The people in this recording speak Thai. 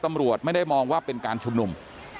ตำรวจไม่ได้มองว่าเป็นการชุมนุม